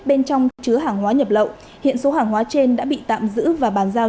bên trong chứa hàng hóa nhập lậu hiện số hàng hóa trên đã bị tạm giữ và bàn giao